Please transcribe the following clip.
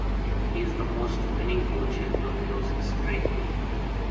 He is the most winning coach in Toledo's history.